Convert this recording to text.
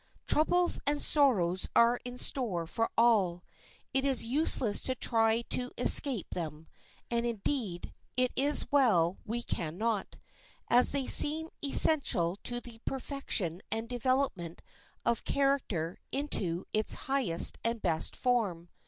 Troubles and sorrows are in store for all. It is useless to try to escape them, and, indeed, it is well we can not, as they seem essential to the perfection and development of character into its highest and best form.